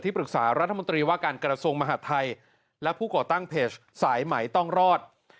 ปรึกษารัฐมนตรีว่าการกระทรวงมหาดไทยและผู้ก่อตั้งเพจสายไหมต้องรอด